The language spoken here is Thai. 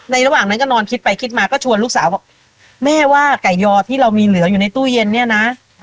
ระหว่างนั้นก็นอนคิดไปคิดมาก็ชวนลูกสาวบอกแม่ว่าไก่ยอที่เรามีเหลืออยู่ในตู้เย็นเนี่ยนะ